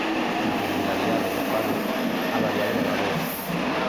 La popularidad de los faros ha variado a lo largo del tiempo.